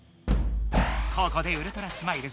ここでウルトラスマイルズ